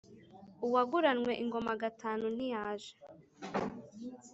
uwaguranywe ingoma gatanu ntiyaje